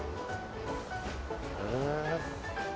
へえ。